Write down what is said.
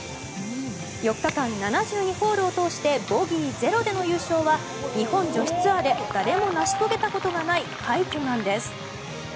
４日間７２ホールを通してボギー０での優勝は日本女子ツアーで誰も成し遂げたことがない快挙なんです。